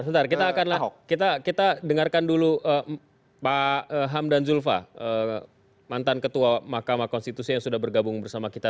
sebentar kita akan lakukan kita dengarkan dulu pak hamdan zulfa mantan ketua mahkamah konstitusi yang sudah bergabung bersama kita